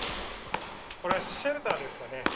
これはシェルターですかね。